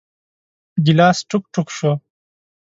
ګیلاس ټوک ، ټوک شو .